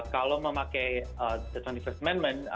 kalau memakai dua puluh satu st amendment